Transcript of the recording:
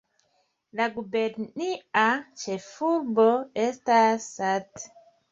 La gubernia ĉefurbo estas Salt.